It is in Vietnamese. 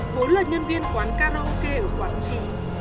vốn là nhân viên quán karaoke ở quảng trị